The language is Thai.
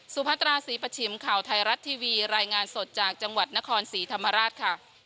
พัตราศรีประชิมข่าวไทยรัฐทีวีรายงานสดจากจังหวัดนครศรีธรรมราชค่ะ